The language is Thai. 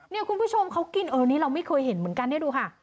นี่คุณผู้ชมเขากินเราไม่เคยเห็นเหมือนกันนี่ดูค่ะ